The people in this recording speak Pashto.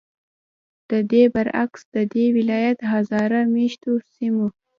ددې برعکس، ددې ولایت هزاره میشتو سیمو